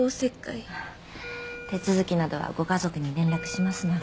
手続きなどはご家族に連絡しますので。